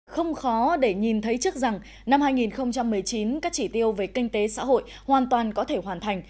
không khó để nhìn thấy trước rằng năm hai nghìn một mươi chín các chỉ tiêu về kinh tế xã hội hoàn toàn có thể hoàn thành